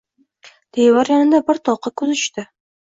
Devor yonida bir tovuqqa koʻzi tushdi